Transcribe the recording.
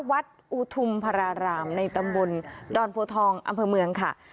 วัดอุทุมพรารามในตำบลดอนโพทองอำเภอเมืองค่ะ